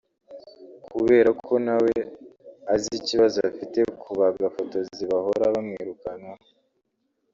Kubera ko na we azi ikibazo afite kuri bagafotozi bahora bamwirukankaho